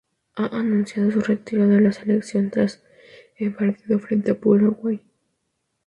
Ha anunciado su retiro de la selección tras en partido frente a Paraguay.